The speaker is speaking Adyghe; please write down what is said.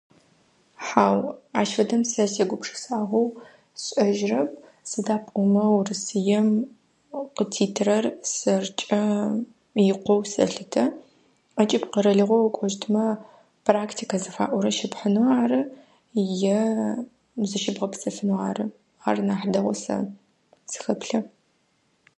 Хьау, ащ фэдэм сэ сегупшысагъэу сшӏэжьырэп. Сыда пӏомэ Урысыем къытитырэр сэркӏэ икъоу сэлъытэ. Ӏэкӏыб къэралыгъо укӏощтымэ практика зыфаӏорэр щыпхъынэу ары, е зыщыбгъэпсэфынэу ары. Ар нахь дэгъоу сэ сыхаплъэ.